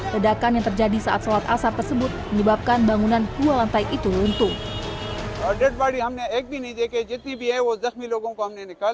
ledakan yang terjadi saat sholat asap tersebut menyebabkan bangunan dua lantai itu runtuh